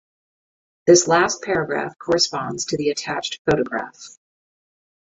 This last paragraph corresponds to the attached photograph.